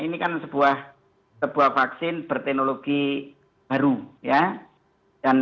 ini kan sebuah vaksin berteknologi baru ya